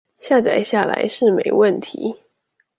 下載下來是沒問題